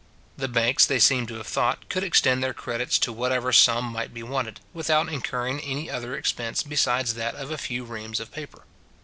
The banks, they seem to have thought, could extend their credits to whatever sum might be wanted, without incurring any other expense besides that of a few reams of paper.